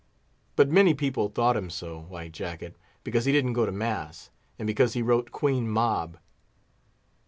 But many people thought him so, White Jacket, because he didn't go to mass, and because he wrote Queen Mab.